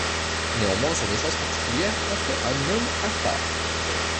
Néanmoins, sa naissance particulière en fait un homme à part.